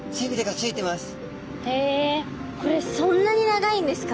へえこれそんなに長いんですか？